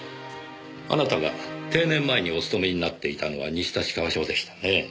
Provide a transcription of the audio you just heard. あなたが定年前にお勤めになっていたのは西立川署でしたね。